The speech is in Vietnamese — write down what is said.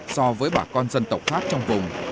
so với bà con dân tộc pháp trong vùng